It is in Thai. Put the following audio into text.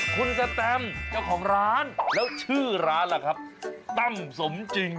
คุณสแตมเจ้าของร้านแล้วชื่อร้านล่ะครับตั้มสมจริง